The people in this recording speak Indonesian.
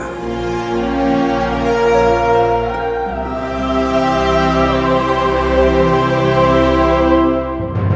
pergi ke kak kanda